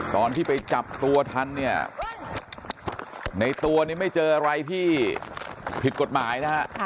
ตอนที่ไปจับตัวทันเนี่ยในตัวนี้ไม่เจออะไรที่ผิดกฎหมายนะฮะ